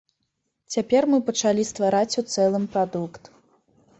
Цяпер мы пачалі ствараць у цэлым прадукт.